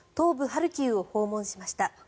ハルキウを訪問しました。